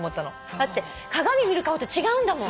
だって鏡見る顔と違うんだもん。